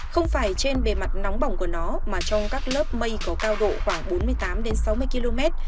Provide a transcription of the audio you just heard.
không phải trên bề mặt nóng bỏng của nó mà trong các lớp mây có cao độ khoảng bốn mươi tám sáu mươi km